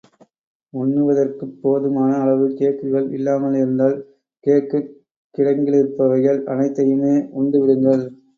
உண்ணுவதற்குப் போதுமான அளவு கேக்குகள் இல்லாமல் இருந்தால், கேக்குக் கிடங்கிலிருப்பவைகள் அனைத்தையுமே உண்டு விடுங்கள்.